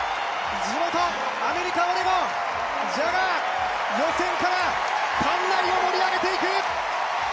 地元アメリカ・オレゴン、ジャガー、予選から館内を盛り上げていく！